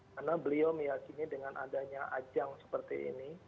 karena beliau meyakini dengan adanya ajang seperti ini